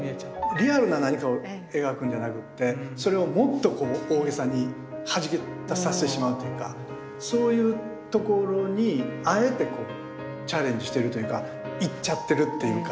リアルな何かを描くんじゃなくってそれをもっとこう大げさにはじけさせてしまうというかそういうところにあえてこうチャレンジしてるというかいっちゃってるっていうか。